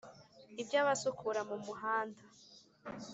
iby’abasukura mumuhanda